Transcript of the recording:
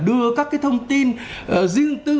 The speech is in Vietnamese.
đưa các cái thông tin riêng tư